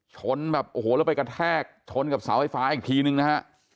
ชนแบบโอ้โหแล้วไปกระแทกชนกับเสาไฟฟ้าอีกทีนึงนะฮะ